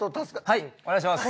はいお願いします。